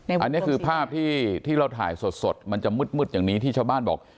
อันนี้คือภาพที่เราถ่ายสดมันจะมืดอย่างนี้ที่ชาวบ้านบอก